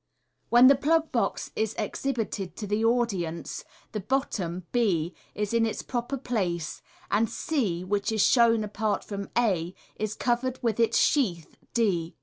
When the plug box is exhibited to the audience, the bottom, b, is in its proper place, and c, which is shown apart from a, is covered with its sheath, d.